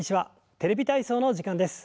「テレビ体操」の時間です。